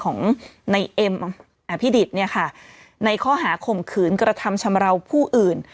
ของในเอ็มอภิดิษฐ์เนี่ยค่ะในข้อหาข่มขืนกระทำชำราวผู้อื่น